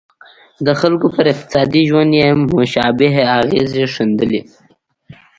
د خلکو پر اقتصادي ژوند یې مشابه اغېزې ښندلې.